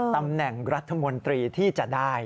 ตำแหน่งรัฐมนตรีที่จะได้